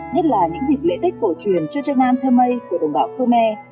nhất là những dịp lễ tết cổ truyền cho trái nam thơm mây của đồng bào khmer